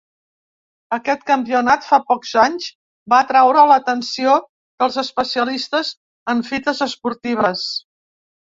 Aquest campionat, fa pocs anys, va atraure l’atenció dels especialistes en fites esportives.